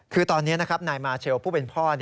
คือตอนนี้นะครับนายมาเชลผู้เป็นพ่อ